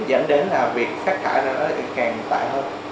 dẫn đến là việc phát thải nó càng tài hơn